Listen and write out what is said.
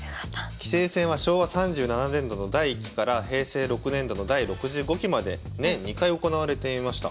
棋聖戦は昭和３７年度の第１期から平成６年度の第６５期まで年２回行われていました。